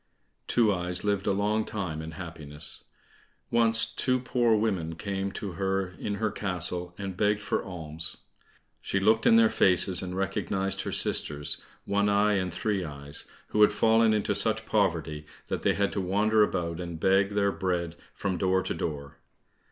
Two eyes lived a long time in happiness. Once two poor women came to her in her castle, and begged for alms. She looked in their faces, and recognized her sisters, One eye, and Three eyes, who had fallen into such poverty that they had to wander about and beg their bread from door to door.